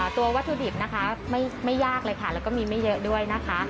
วัตถุดิบนะคะไม่ยากเลยค่ะแล้วก็มีไม่เยอะด้วยนะคะ